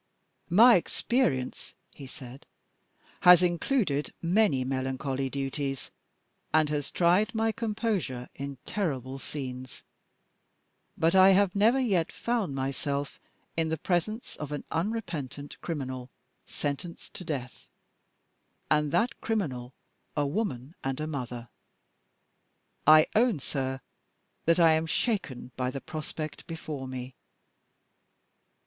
"My experience," he said, "has included many melancholy duties, and has tried my composure in terrible scenes; but I have never yet found myself in the presence of an unrepentant criminal, sentenced to death and that criminal a woman and a mother. I own, sir, that I am shaken by the prospect before me."